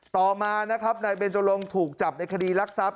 ต่อมานะครับนายเบนจรงถูกจับในคดีรักทรัพย